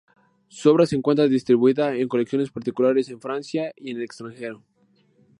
Su obra se encuentra distribuida en colecciones particulares en Francia y en el extranjero.